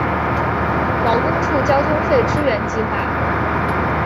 劳工处交通费支援计划